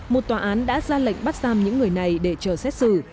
một tòa án đã ra lệnh bắt giam những người này để chờ xét xử